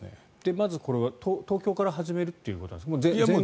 まず東京から始めるということですか。